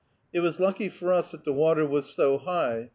It was lucky for us that the water was so high.